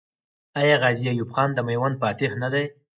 آیا غازي ایوب خان د میوند فاتح نه دی؟